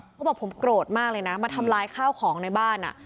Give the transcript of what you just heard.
เขาบอกผมโกรธมากเลยนะมาทำลายข้าวของในบ้าน